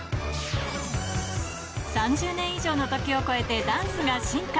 ３０年以上の時を超えてダンスが進化。